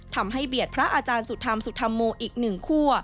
เบียดพระอาจารย์สุธรรมสุธรรมโมอีกหนึ่งคั่ว